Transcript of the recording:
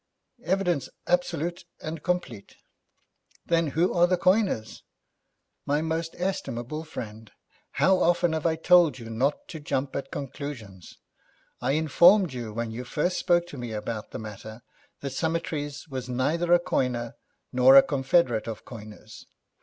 'Evidence absolute and complete.' 'Then who are the coiners?' 'My most estimable friend, how often have I told you not to jump at conclusions? I informed you when you first spoke to me about the matter that Summertrees was neither a coiner nor a confederate of coiners.